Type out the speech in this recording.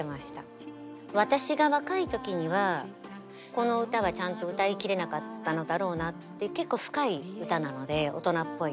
私が若い時にはこの歌はちゃんと歌い切れなかったのだろうなっていう結構深い歌なので大人っぽい。